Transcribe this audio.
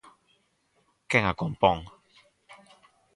¿Quen a compón?